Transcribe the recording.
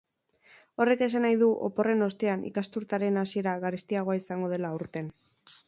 Horrek esan nahi du oporren ostean ikasturtearen hasiera garestiagoa izango dela aurten.